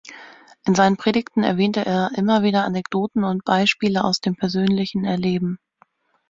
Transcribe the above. In seinen Predigten erwähnte er immer wieder Anekdoten und Beispiele aus dem persönlichen Erleben.